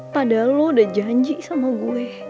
padahal lo udah janji sama gue